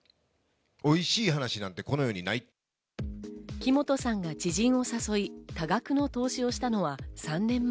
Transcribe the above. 木本さんが知人を誘い、多額の投資をしたのは３年前。